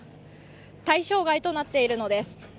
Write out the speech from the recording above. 対象外となっているのです。